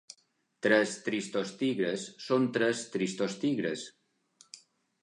Tres tristos tigres són tres tristos tigres.